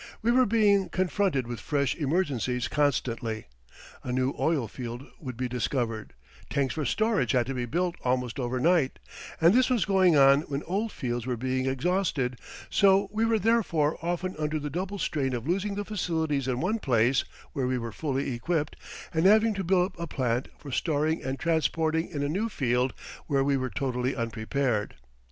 We were being confronted with fresh emergencies constantly. A new oil field would be discovered, tanks for storage had to be built almost over night, and this was going on when old fields were being exhausted, so we were therefore often under the double strain of losing the facilities in one place where we were fully equipped, and having to build up a plant for storing and transporting in a new field where we were totally unprepared.